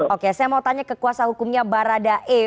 oke saya mau tanya ke kuasa hukumnya baradae